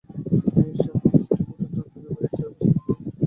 তিনি eastern publicity ব্যুরোর তুর্কি বিভাগের চেয়ারপার্সন ছিলেন।